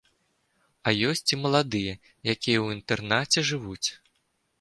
А ёсць і маладыя, якія ў інтэрнаце жывуць.